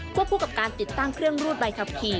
คู่กับการติดตั้งเครื่องรูดใบขับขี่